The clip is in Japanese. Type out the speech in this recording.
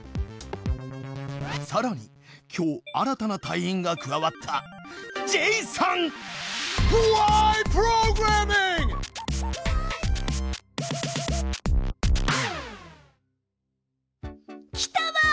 さらに今日新たな隊員が加わった来たわ！